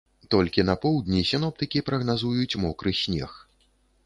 Толькі на поўдні сіноптыкі прагназуюць мокры снег.